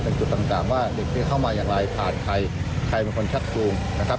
เป็นจุดต่างว่าเด็กที่เข้ามาอย่างไรผ่านใครใครเป็นคนชักจูงนะครับ